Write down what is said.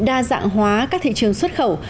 đa dạng hóa các thị trường xuất khẩu